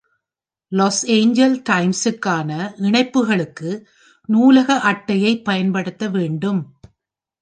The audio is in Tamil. "Los Angeles Times" க்கான இணைப்புகளுக்கு நூலக அட்டையைப் பயன்படுத்த வேண்டும்"